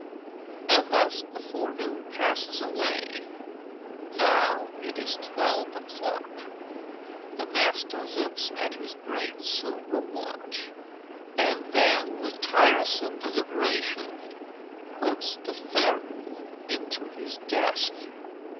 And thus the forenoon passes away. Now it is twelve o'clock. The master looks at his great silver watch, and then with tiresome deliberation, puts the ferule into his desk.